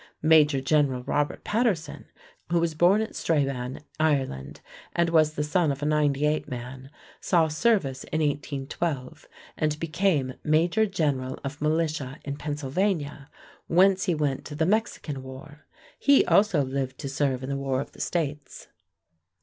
Major General Robert Paterson, who was born at Strabane, Ireland, and was the son of a '98 man, saw service in 1812, and became major general of militia in Pennsylvania, whence he went to the Mexican War. He also lived to serve in the War of the States.